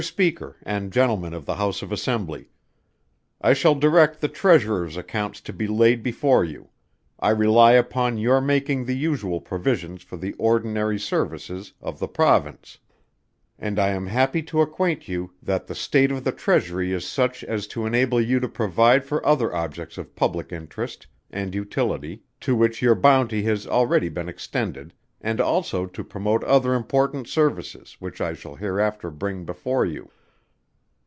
Speaker, and Gentlemen of the House of Assembly,_ I shall direct the Treasurer's Accounts to be laid before you, I rely upon your making the usual provisions for the Ordinary Services of the Province; and I am happy to acquaint you that the state of the Treasury is such as to enable you to provide for other objects of public interest and utility, to which your bounty has already been extended, and also to promote other important services which I shall hereafter bring before you.